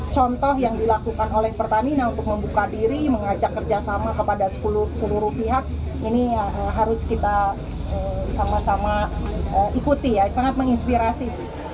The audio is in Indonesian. contoh yang dilakukan oleh pertamina untuk membuka diri mengajak kerjasama kepada seluruh pihak ini harus kita sama sama ikuti ya sangat menginspirasi